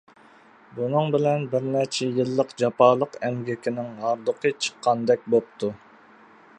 بۇنىڭ بىلەن بىر نەچچە يىللىق جاپالىق ئەمگىكىنىڭ ھاردۇقى چىققاندەك بوپتۇ.